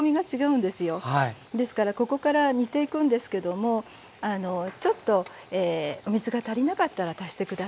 ですからここから煮ていくんですけどもちょっとお水が足りなかったら足して下さい。